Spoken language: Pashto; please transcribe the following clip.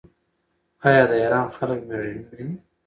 آیا د ایران خلک میړني نه دي؟